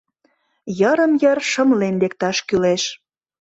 — Йырым-йыр шымлен лекташ кӱлеш.